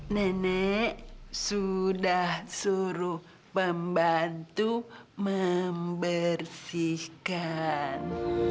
nenek sudah suruh membantu membersihkan